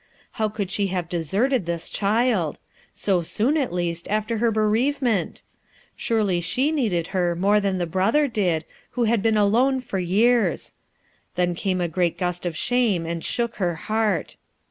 How could she have deserted this child ? so soon, at least, after her bereavement ? Surely she needed her more than the brother did, who had been alone for years 1 Then came a great gust of shame and shook her heart.